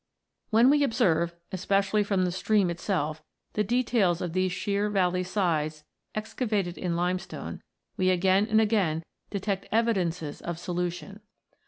When we observe, especially from the stream it self, the details of these sheer valley sides excavated in limestone, we again and again detect evidences of solution.